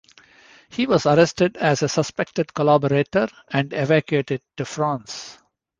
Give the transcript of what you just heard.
He was arrested as a suspected collaborator, and evacuated to France.